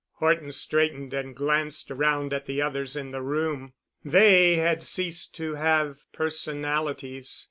Horton straightened and glanced around at the others in the room. They had ceased to have personalities.